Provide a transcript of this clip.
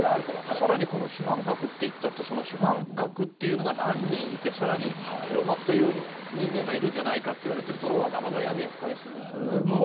更に主犯格といったって主犯格が何人いて更に、黒幕という人間がいるんじゃないかとなるとまだまだ闇は深いですね。